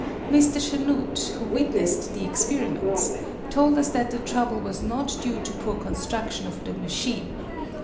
Mr. Chanute, who witnessed the experiments, told us that the trouble was not due to poor construction of the machine.